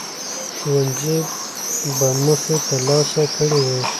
ښوونځي به موخې ترلاسه کړي وي.